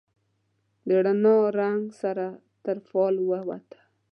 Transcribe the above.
د رڼا، رنګ سره تر فال ووته